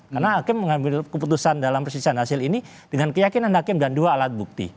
karena hakim mengambil keputusan dalam persisahan hasil ini dengan keyakinan hakim dan dua alat bukti